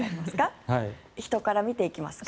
人から見ていきますか？